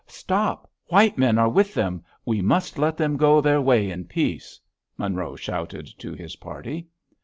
"Stop! White men are with them! We must let them go their way in peace!" Monroe shouted to his party.